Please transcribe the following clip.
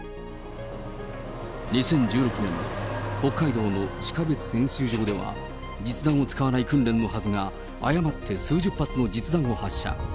２０１６年、北海道の然別演習場では、実弾を使わない訓練のはずが誤って数十発の実弾を発射。